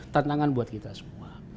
tantangan buat kita semua